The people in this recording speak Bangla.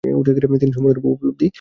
তিনি সম্পূর্ণরূপে উপলব্ধি করেন।